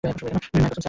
মায়ের কসম স্যার।